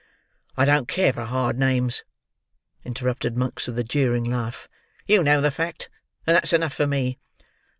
"I don't care for hard names," interrupted Monks with a jeering laugh. "You know the fact, and that's enough for me."